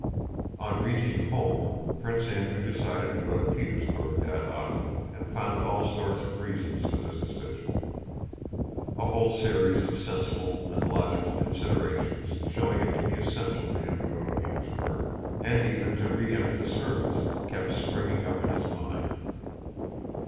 On reaching home Prince Andrew decided to go to Petersburg that autumn and found all sorts of reasons for this decision. A whole series of sensible and logical considerations showing it to be essential for him to go to Petersburg, and even to re enter the service, kept springing up in his mind.